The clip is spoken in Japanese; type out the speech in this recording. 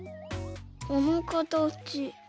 このかたち。